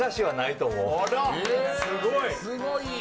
すごい。